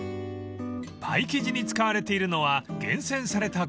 ［パイ生地に使われているのは厳選された小麦］